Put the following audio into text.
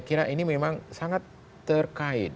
kira ini memang sangat terkait